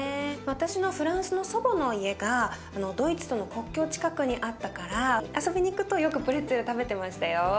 私のフランスの祖母の家がドイツとの国境近くにあったから遊びに行くとよくプレッツェル食べてましたよ。